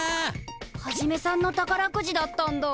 ハジメさんの宝くじだったんだ。